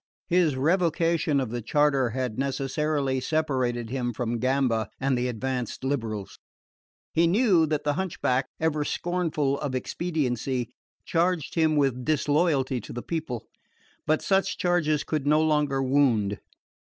His revocation of the charter had necessarily separated him from Gamba and the advanced liberals. He knew that the hunchback, ever scornful of expediency, charged him with disloyalty to the people; but such charges could no longer wound.